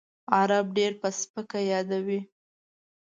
عرب ډېر په سپکه یادوي.